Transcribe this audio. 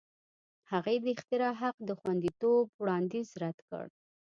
هغې د اختراع حق د خوندیتوب وړاندیز رد کړ.